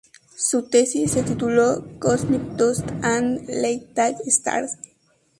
Su tesis se tituló "Cosmic Dust and Late-Type Stars".